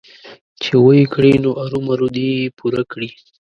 چې ويې کړي نو ارومرو دې يې پوره کړي.